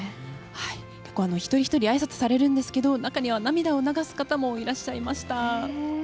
一人ひとりあいさつされるんですけど中には涙を流す方もいらっしゃいました。